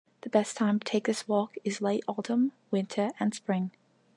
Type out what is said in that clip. The best time to take this walk is late autumn, winter and spring.